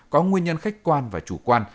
có nguyên nhân khách quan và chủ quan